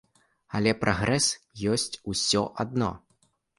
Але прагрэс ёсць усё адно.